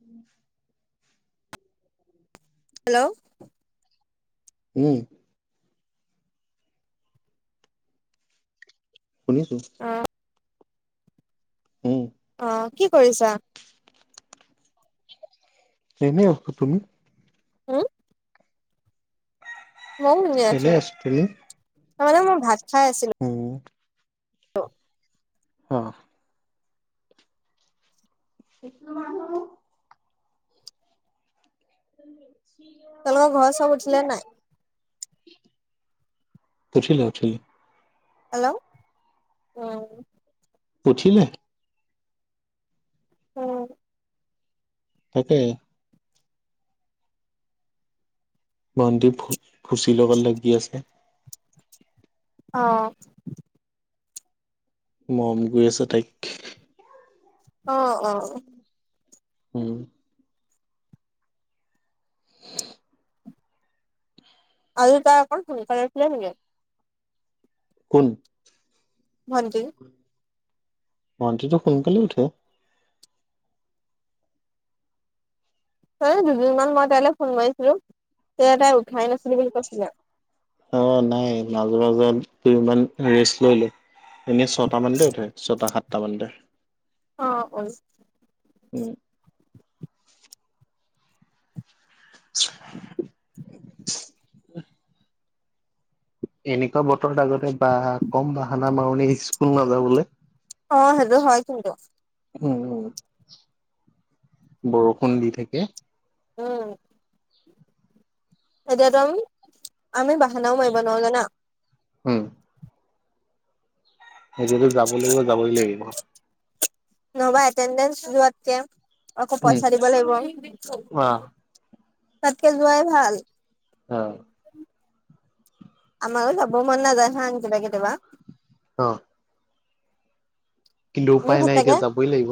উম। Hello. উম। শুনিছো। অ উম। অ' কি কৰিছা? এনেই আছো তুমি। হম। এনেই আছো তুমি তাৰমানে মোক ভাত খাই আছিলো। উম [unintelligible] অ'। [unintelligible] উম। তোমালোকৰ ঘৰৰ চব উঠিলে নে নাই। উঠিলো, উঠিলো। হেল্ল'। উম। উঠিল নাই উম। তাকে। ভণ্টি ফুচিৰ লগত লাগি আছে। অ'। মৰম কৰি আছে তাইক। অ', অ'। উম। আজি তাইপ সকছিললে নে। কন। হজি। ভুৱটীটো সোনকালে উঠে। হয় দুদিনমান মই তাইলৈ ফোন মাৰিছিলো তে তাই উঠাই নাছিলি বুলি কৈছিলে। অ নাই মাজে মাজত দুই ইমান ৰেষ্ট লৈ লো। এনেই ছটা মানতে উঠে ছয়টা সাতটা মানতে। অ অ। উম। । এনেকুৱা বতৰত আগতে বাহ। কম বাহানা মাৰনি স্কুল অ সেইটো হয় কিন্তু নাযাবলৈ। উম বৰষুণ দি থ। উম এনে। আমি বাহানাও মাৰিব নোৱাৰো না। হম। সেইটোয়ো যাব লাগিব যাবই লাগিব। ন এটেণ্ডে যাত কে। আকৌ উম পইচা দিব লাগিব অ তাতকে যোৱাই ভাল। আমাৰো যব মন নাযায় হা আন কেিবা কেতিয়াবা। অ। কিন্তু উপায় নাই এতিয়া যাবই লাগিব।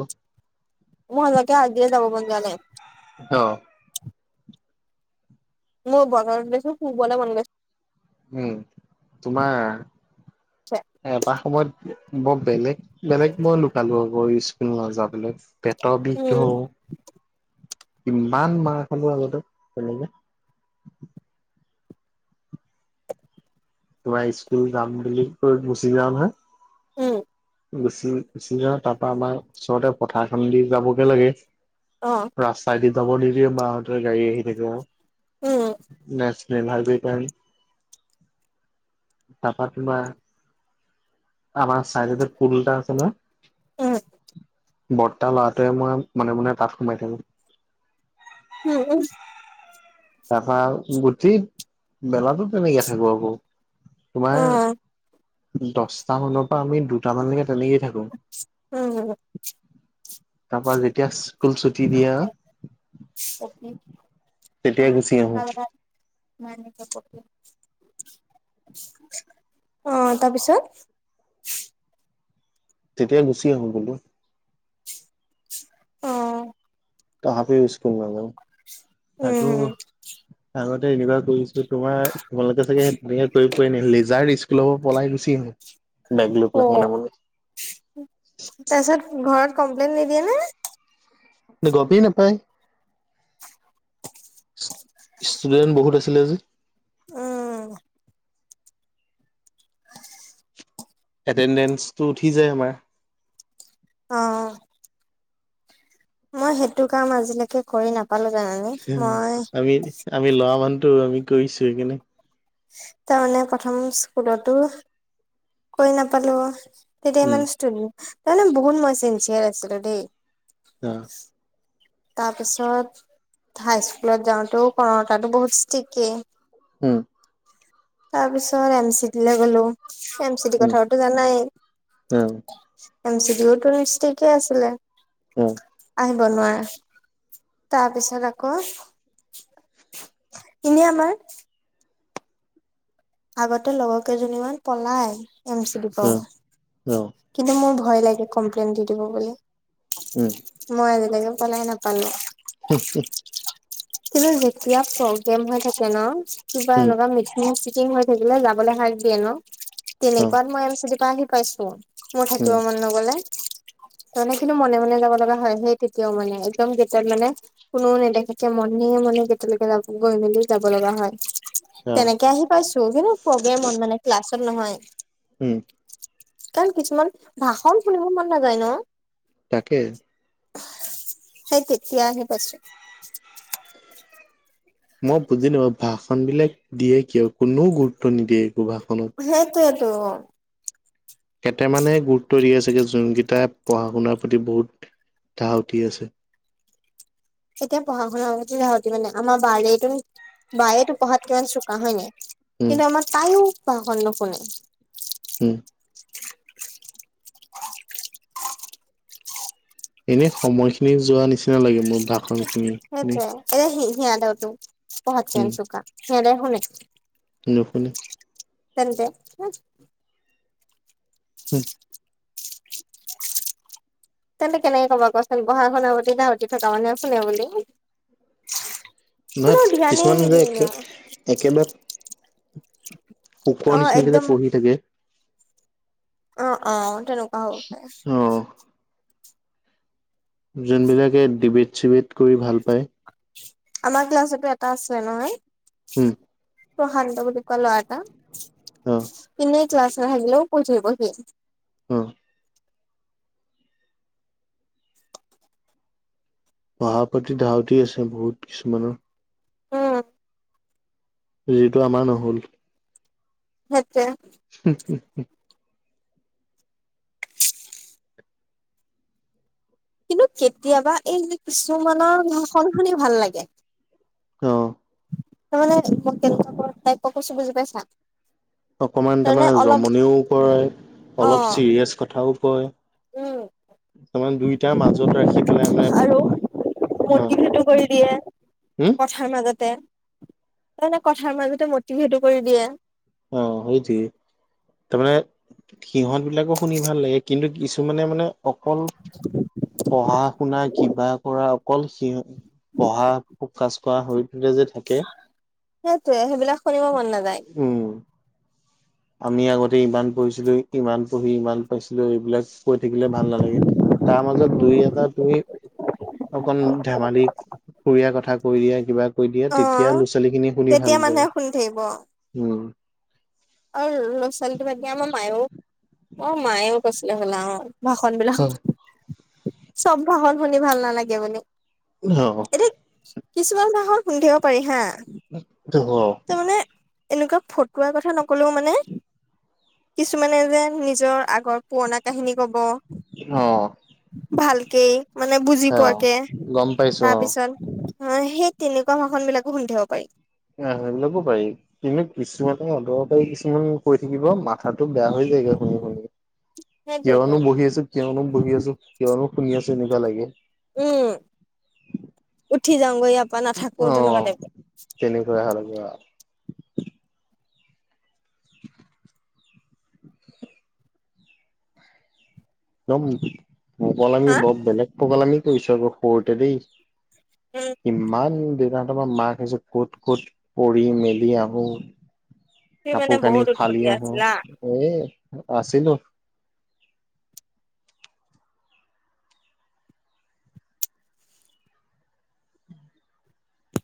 মজাকে আগ দিয়ে যাব বনানে অ মই বজাৰত গৈছো শুবলৈ মন গৈছে উম তোমাৰ গৈছে এটা সময়ত বৰ বেলেগ বেলেগ মই লুকালো আকৌ ইউজক নাযাবলে পেটৰ বিষ উম ধওঁ কিমান মাহ খলো আগতে তেনেকে তোমাৰ স্কুল যাম বুলি কৈ গুচি যাও নহয় উম গুচি গুচি যওঁ তাৰ পৰাা আমাৰ ওচৰতে পথাৰখন দি যাবগে লাগে অ ৰাস্তাইদি যাব নিদিয়ে মাহতে গাড়ী আহি থাকে ম উম ভাল প তাৰাপৰা কোনিবা আমাৰ চাইজতে ফুলটা আছে ন উম বৰ্তা লৰাটোৱে মই মনে মনে তাত সোমাই থাকো উম উ তাৰপা গুঠি মেলাতো তেনেকে থাকো আকৌ অ তোমাৰ দশটা মানত আমি দুটামানলৈকে তেনেিয়ে থাকো উম তাৰপা যেতিয়া স্কুল ছুটি দিয়া তেতিয়া গুচি আহো আহ তাৰপিছত [unintelligible] তেতিয়া গুচি আহোঁ বোলো অ তহাপি ইউজ কৰো আৰু আকৌ উম আগতে এনেুৱা কৰিছো তোমাৰ তোমালোকে চাগে সেই তেনেকে কৰি পোৱই ন লেজাৰ স্কুলৰ পৰা পলাই গুচি আহো বেগ লৈ অ পেলাই মনে মনে তাৰছত ঘৰত কমপ্লেইন নিদিয়ে নে ন গপী নাপায় ষ্টুডেন্ট বহুত আছিলে যে উম, এটেণ্ডেঞ্চটো উঠি যায় আমাৰ অ', মই সেইটো কাম আজিলৈকে কৰি নাপালো জানানে মই আমি আমি লোৱা মানটো আমি কৰিছো সেইকাৰনে তাৰ মমানে প্ৰথম স্কুলতো কৈ নাপালো তেতিয়া উম মানে তাৰমানে বহুত মই চচিয়াৰ আছিলো দেই আহ, তাৰপিছত হাইস্কুলত যাওঁতেও কৰণতাটো বহুত ষ্টিকেই হম, তাৰ পিছত এম চিটিৈ গ'লো এম চি ডি কথাওটোো জানাই এম চি ডি কে আছিলে উম, বনোৱা তাৰপিছত আকৌ এনেই আমাৰ আগতে লগৰ কেইজনী মমান পলাই এম চি ড পৰা কিন্তু মোৰ ভয় লাগে কমপ্লেইন দি দিব বুলি মই আজিলৈকে পলাই নাপালো হ, কিন্তু যেতিয়া প্ৰব্লেম হৈ থাকে ন কিবা এনেকুৱা মিটিং চিটি সেইবে যাবলৈ হাক দিয়ে ন অ, তেনেকুৱাত মই এম চটপ আহি পাইছো মোৰ উম, থাকিব মন ন গলে তাৰমানে কিন্তু মনে মনে যাব লগা হয় সেই তেতিয়াও মানে একদম গেটত মানে কোননেও নেদেখেত মনহে মানে কেতিয়ালৈকে যাব গৈ মেলি যাব লগা হয় অ, তেনেকে আহি পাইছো কিন্তু প্ৰগ্ৰেমত মানে ক্লাছত নহয় উম। কাৰণ কিছুমান ভাষণ শুনিব মন নাযায় ন তাকে, আাইতিতিয়াৰে পছি মই বুজি নাপা ভাষণ বিলাক দিয়ে কিয় কোননেও গুৰুত্ব নিদিয়ে একো ভাষণত অ', কেইটামানে গুৰুত্ব দি আছে যোনকেইটাই পঢ়া শুনাৰ প্ৰতি বহুত তাহ উঠি আছে এতিয়া পঢ়া শুনাৰ ধাহতি মানে আমাৰ বাৰেতো বায়টো পঢ়াত কিমান চোকা হয় নাই উম কিন্তু আাৰ তাইও ব ন শোনে হম, এনে সময় খিনি যোৱা নিচিনা লাগে মোৰ ভাষণি সেইটোৱে এতি সিয় দেও তো পহচি উম আনি চুকাা সিহঁ দে শু নে [unintelligible] তেন্তে? হু, তেন্তে কেনেকে কবা কচোন বহা শুনা প্ৰতি গাহতি থকা মানুহে শুনে বুলি নহয় কোনেও ধ্যানেই কিছুমান যে নিদিয়ে একে এনেও। একেবাৰে শুখৰ অ' নিচিনাকে যে একদম পঢ়ি থাকে অ', অ', তেনেকুৱা হ'ব পাৰে অ যোনবিলাকে ডিবেট চিবেট কৰি ভাল পায় আমাৰ ক্লাছতো এটা আছে নহয় হম, প্ৰশান্ত বুলি কোৱা ল'ৰাটা অ' ক্লাছ আহিলেও [unintelligible] অ' পঢ়াপতি ধাউতি আছে বহুত কিছুমানৰ। উম। যিটো আমাৰ নহ'ল। হেইটোৱেই। হম, হম, হ। কিন্তু কেতিয়াবা এই কিছুমানৰ ঘষন শুনি ভাল লাগে। অ' ত, মানে মই কেনে তাই প কৈছো বুজি পাইছা। অকমান তাৰমানে জমনিও কৰে অলপ অ' চিৰিয়াছ কথাও কয়। উম। তাৰমানে দুইটাৰ মাজত ৰাখি পেলাই মানে আৰু অ হম মটিভেটো কৰি দিয়ে। কথাৰ মাজতে তাৰমানে কথাৰ মাজতে মটিভেটো কৰি দিয়ে। অ' সেইটোৱেই। তাৰমানে সিহঁত বিলাকো শুনি ভাল লাগে কিন্তু কিছুমানে মানে অকল পঢ়া শুনা কিবা কৰা অকল সি পঢ়া ফকাজ পোৱা হৈ। যে থাকে সেইটোৱে সেইবিলাক শুনিব মন নাযায়। উম। আমি আগতে ইমান পঢ়িছিলো ইমান পঢ়ি ইমান পাইছিলো এইবিলাক। কৈ থাকিলে ভাল নালাগে তাৰ মাজত দুই এটা তুমি। অকন ধেমালি ফুৰিয়াৰ কথা কৈ দিয়া কিবা। কৈ দিয়ে অ তেতিয়া ল'ৰা ছোৱালী খিনি শুনি তেতিয়া ভাল মানুহে পায়, শুনি থাকিব উম। আৰু ল'ৰা ছোৱালীটো বাদ দিয়া ভালে হ'ল অ' ভাষণ বিলাক অ চ'ব ভাষণ শুনি ভাল নালাগে মানে। অ' কিছুমান ভাষণ খুনি থাকিব পাৰি হা। দহ তাৰমানে এনেকুৱা ফটোৱাৰ কথা নকলেও মানে। কিছুমানে যে নিজৰ আগৰ পুৰণা কাহিনী ক'ব। অ' ভালকেই মানে বুজি অ', পোৱাকে। গম পাইছো অ তাৰপিছত, অ' সেই তেনেকুৱা ভাষন বিলাকো খুনি থাকিব পাৰি। আহ সেইবিলাকো পাৰি কিন্তু কিছুমানে অদকাৰি কিছুমান কৈ থাকিব, মা মাথাটো বেয়া হৈ যায়গৈ, শুনি শুনি সেইটোৱেতো কিয়নো বহি আছো, কিয়নো বহি আছো, কিয়নো শুনি আছো এনেকোৱা লাগে। উম, উঠি যাওঁগৈ। বা নাথাকো অ তেনেকুৱা তাইপ। তেনেকুৱা লাগে ন মকলল আমি হা বৰ বেলেগ পকলাগিল দেই চ'ব সৰুতে দেই। উম ইমান দেইতাহত পৰা মাৰ খাইছে ইমান ক'ত ক'ত পৰি মেলি আহো। তুমি মানে কাপোৰ কানি বহুত ফালি উৎপতীয়া আহো আছিলা এয়ে। আছিলো।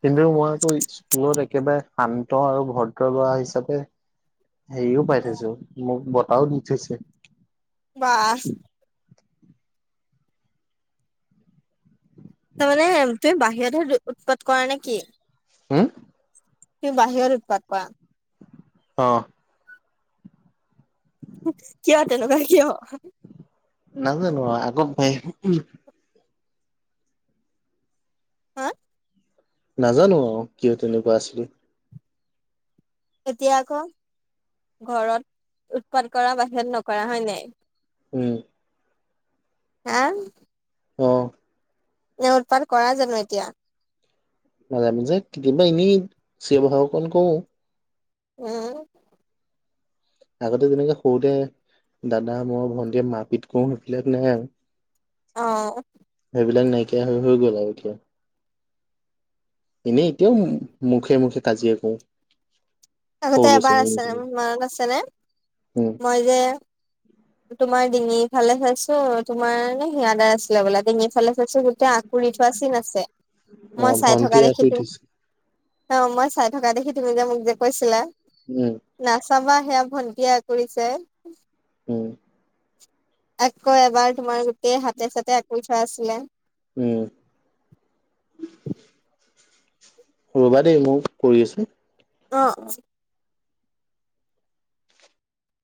কিন্তু মইতো স্কুলত একেবাৰে শান্ত আৰু ভদ্ৰ ল'ৰা হিচাপে। হেৰিও পাই থৈছো মোক বটাও দি থৈছে। বাহ তাৰ মানে তুমি বাহিৰতহে উৎপাত কৰা নে কি? হ'ম। তুমি বাহিৰত উত্পাত কৰা। অ' কিয় তেনেকুৱা কিয়। নাজানো আগ বাইকো। হা নাজানো অ কিয় তেনেকুৱা আছিলে এতিয়া আকৌ ঘৰত উৎপাত কৰা বাহত নকৰা হয় নাই উম হা অ ন উৎপাৰ কৰা জানো এতিয়া মাজে মাজে কেতিয়াবা এনেই চঞ বাহ অকল কওঁ উম আগতে যেনেকে সৰুতে দাদা মই ভন্টীয়ে ম পিত কো সেইবিলাক নাই আৰু অ বিলাক নাইকিয়া হৈ হৈ গ'ল আৰু এতিয়া এনেই এতিয়াও মুখে মুখে কাজিয়া কৰো আগতে এবাৰ সৰু ল'ৰা ছোৱালী নিচিনা আছেনেৰ মনত আছেনে উম মই যে তোমাৰ দিঙি ভালে চাইছো তোমাৰে ধিয়ানে আছিলে বোলে ডিঙিফালে গোটেই আঁকুৰি থোৱা চিন আছে অ মই চাই থকা ভন্টিয়ে দেখি আঁচুৰি তুম ধৰিছে অ মই চাই থকা দেখি তুমি যে মোক যে কৈছিলা উম চাবা সেয়া ভণ্টিয়া কৰিছে উম আকৌ এবাৰ তোমাৰ গোটেই হাতে চাতে আকৌ থোৱা আছিলে উম ৰ'বা দেই মই কৰি আছোঁ অ